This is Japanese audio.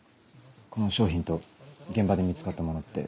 この商品と現場で見つかったものって。